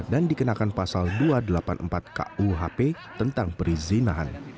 dan dikenakan pasal dua ratus delapan puluh empat kuhp tentang perizinahan